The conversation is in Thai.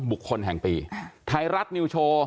บุคคลแห่งปีไทยรัฐนิวโชว์